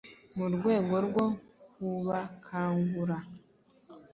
Mu rwego rwo kubakangura,